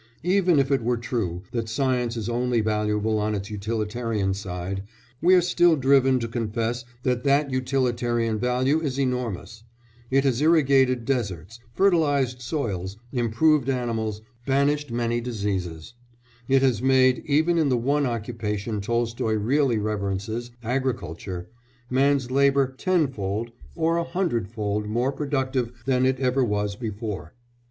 Even if it were true that science is only valuable on its utilitarian side, we are still driven to confess that that utilitarian value is enormous; it has irrigated deserts, fertilised soils, improved animals, banished many diseases; it has made, even in the one occupation Tolstoy really reverences agriculture man's labour tenfold or a hundredfold more productive than it ever was before.